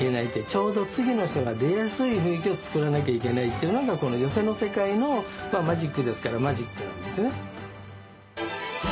ちょうど次の人が出やすい雰囲気を作らなきゃいけないっていうのがこの寄席の世界のマジックですからマジックなんですね。